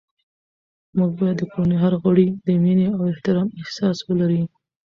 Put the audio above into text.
موږ باید د کورنۍ هر غړی د مینې او احترام احساس ولري